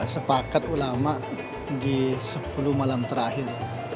sepakat ulama di sepuluh malam terakhir